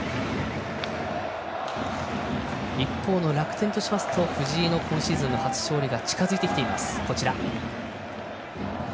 一方の楽天としますと藤井の今シーズンの初勝利が近づいてきています。